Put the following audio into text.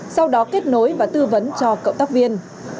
sau đó kết nối và tư vấn cho cộng tác viên